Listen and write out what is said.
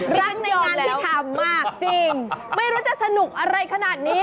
รักในงานที่ทำมากจริงไม่รู้จะสนุกอะไรขนาดนี้